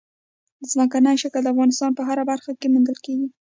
ځمکنی شکل د افغانستان په هره برخه کې موندل کېږي.